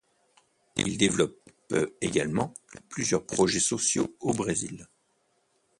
Il développe également plusieurs projets sociaux au Brésil.